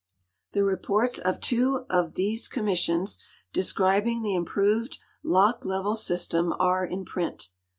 The rejiorts of two of these commissions descrihing the ini|)roved lock level .system are in print.